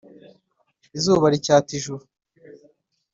izuba ricyata ijuru